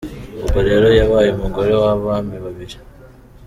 Ubwo rero yabaye umugore w’abami babiri.